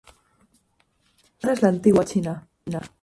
El lugar es la antigua China.